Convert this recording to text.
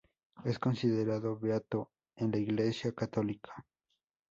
Es considerado beato en la Iglesia católica.